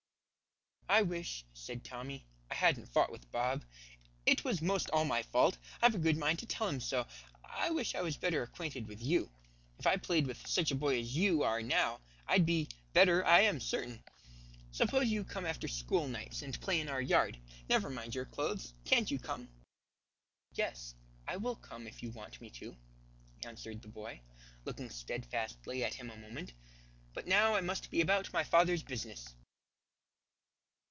"I wish," said Tommy, "I hadn't fought with Bob. It was most all my fault. I've a good mind to tell him so. I wish I was better acquainted with you. If I played with such a boy as you are, now, I'd be better I am certain. Suppose you come after school nights and play in our yard. Never mind your clothes. Can't you come?" "Yes, I will come if you want me to," answered the boy, looking steadfastly at him a moment; "but now I must be about my father's business."